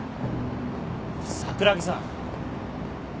桜木さん。